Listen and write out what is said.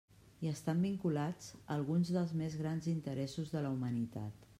Hi estan vinculats alguns dels més grans interessos de la humanitat.